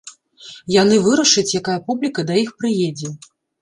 Яны вырашаць, якая публіка да іх прыедзе.